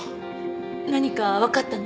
何かわかったの？